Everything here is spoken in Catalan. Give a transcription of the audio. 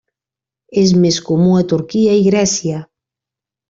És més comú a Turquia i Grècia.